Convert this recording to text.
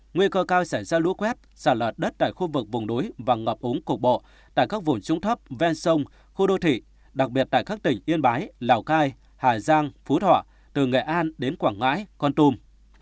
nguy cơ cao sẽ ra lũ quét xả lợt đất tại khu vực vùng đối và ngọp úng cục bộ tại các vùng trúng thấp ven sông khu đô thị đặc biệt tại các tỉnh yên bái lào cai hà giang phú thọ từ ngày an đến quảng ngãi quảng tùm